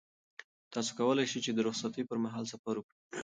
تاسو کولای شئ چې د رخصتۍ پر مهال سفر وکړئ.